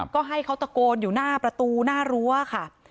ก็ให้เขาตะโกนอยู่หน้าประตูหน้ารั้วค่ะ